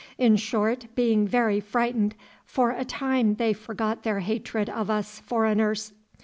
In short, being very frightened, for a time they forgot their hatred of us foreigners.